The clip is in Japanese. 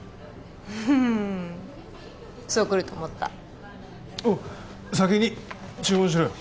ふふんそうくると思ったおっ先に注文しろよ